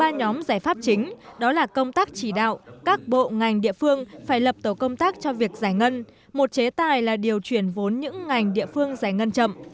ba nhóm giải pháp chính đó là công tác chỉ đạo các bộ ngành địa phương phải lập tổ công tác cho việc giải ngân một chế tài là điều chuyển vốn những ngành địa phương giải ngân chậm